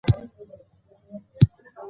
خو د ښه والي هڅه وکړئ.